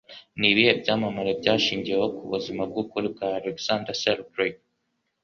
Nibihe Byamamare Byashingiweho Kubuzima Bwukuri bwa Alexander Selkrik